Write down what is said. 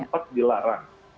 kan cepat dilarang